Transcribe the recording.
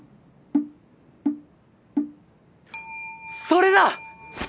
それだ！